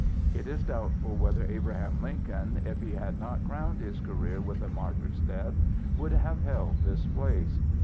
It is doubtful whether Abraham Lincoln, if he had not crowned his career with a martyr's death, would have held this place.